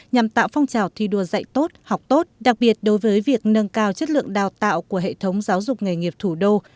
nhằm tạo phong trào thi đua dạy tốt học tốt đặc biệt đối với việc nâng cao chất lượng đào tạo của hệ thống giáo dục nghề nghiệp thủ đô